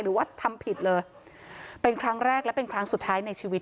หรือว่าทำผิดเลยเป็นครั้งแรกและเป็นครั้งสุดท้ายในชีวิต